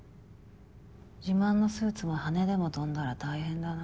自慢のスーツもハネでも飛んだら大変だな。